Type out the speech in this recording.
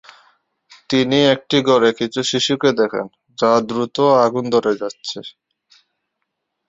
তিনি একটি ঘরে কিছু শিশুকে দেখেন যা দ্রুত আগুন ধরে যাচ্ছে।